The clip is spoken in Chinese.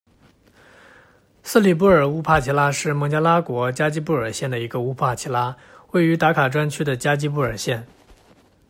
斯里布尔乌帕齐拉是孟加拉国加济布尔县的一个乌帕齐拉，位于达卡专区的加济布尔县。